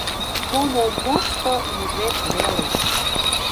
Мом ом мошто – мужед веле: